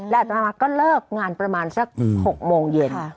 อัตมาก็เลิกงานประมาณสัก๖โมงเย็น